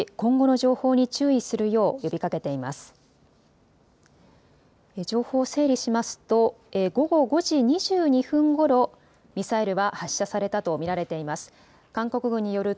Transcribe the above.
情報を整理しますと午後５時２２分ごろ、ミサイルは発射されたと見られています。